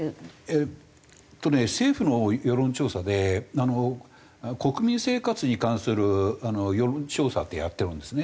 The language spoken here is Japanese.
えっとね政府の世論調査で「国民生活に関する世論調査」ってやってるんですね。